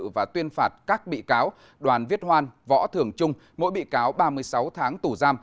và tuyên phạt các bị cáo đoàn viết hoan võ thường trung mỗi bị cáo ba mươi sáu tháng tù giam